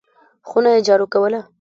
خونه یې جارو کوله !